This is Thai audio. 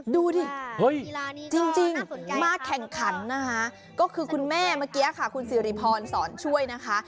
ดูดิจริงมาแข่งขันนะคะก็คือคุณแม่เมื่อกี้ค่ะคุณสิริพรสอนช่วยนะคะ